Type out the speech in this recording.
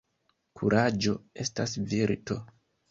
Kuraĝo estas virto.